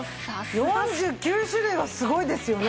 ４９種類はすごいですよね。